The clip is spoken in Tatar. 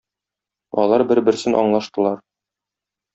Алар бер-берсен аңлаштылар.